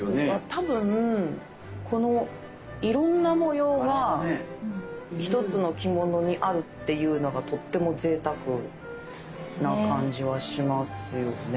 多分このいろんな模様が一つの着物にあるっていうのがとってもぜいたくな感じはしますよね。